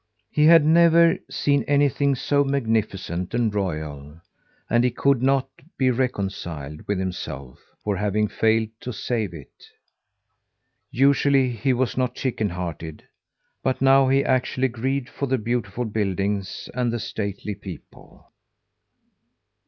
He had never seen anything so magnificent and royal, and he could not be reconciled with himself for having failed to save it. Usually he was not chicken hearted, but now he actually grieved for the beautiful buildings and the stately people.